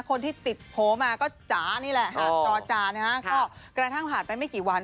คนที่ติดโผล่มาก็จ๋านี่แหละหาดจอจานะฮะก็กระทั่งผ่านไปไม่กี่วัน